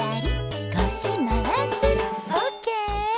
オッケー。